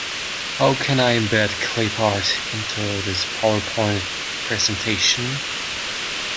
How can I embed clip art into this powerpoint presentation?